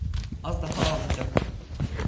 Az daha ağlayacaktı.